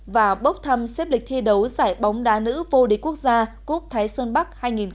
và bốc thăm xếp lịch thi đấu giải bóng đá nữ vô địch quốc gia cúp thái sơn bắc hai nghìn hai mươi